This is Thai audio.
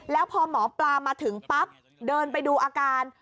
แล้วพอหมอปลามาถึงปั๊บเดินไปดูอาการ